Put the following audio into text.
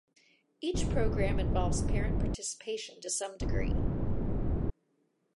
Each program involves parent participation to some degree.